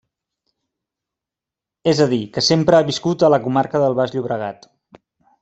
És a dir, que sempre ha viscut a la comarca del Baix Llobregat.